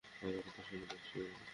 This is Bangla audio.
আমার কথা শোনা যাচ্ছে?